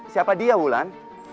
siapa dia bulan